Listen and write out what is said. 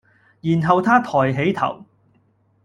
然後他抬起頭，